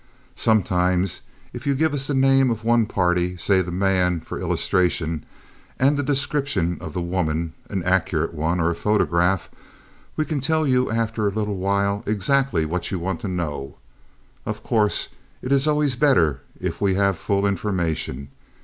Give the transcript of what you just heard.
Sometimes if you give us the name of one party—say the man, for illustration—and the description of the woman—an accurate one—or a photograph, we can tell you after a little while exactly what you want to know. Of course, it's always better if we have full information.